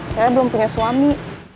saya belum punya suami